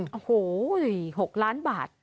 โอ้โห๖ล้านบาท